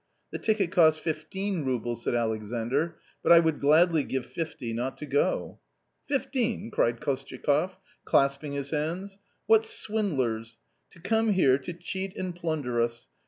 "The ticket costs fifteen roubles," said Alexandr, "but I would gladly give fifty not to go." 14 Fifteen!" cried Kostyakoff, clasping his hands, "what swindlers ! to come here to cheat and plunder us